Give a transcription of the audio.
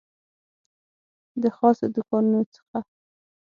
د خاصو دوکانونو څخه